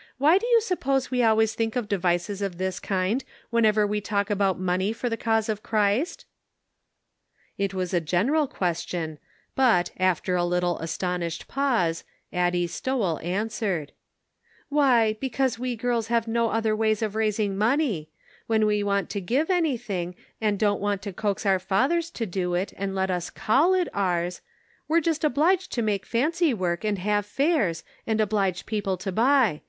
" Why do you suppose we always think of devices of this kind whenever we talk about money for the cause of Christ ?" It was a general question, but, after a little astonished pause, Addie Stowell an swered : "Why, because we girls have no other ways of raising money ; when we want to give anything, and don't want to coax our fathers to do it, arid let us call it ours, we're just obliged to make fancy work and have fairs, and oblige people to buy.